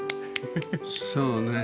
そうね。